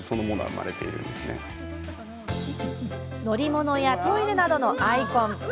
乗り物やトイレなどのアイコン